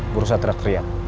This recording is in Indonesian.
gue rusak teriak teriak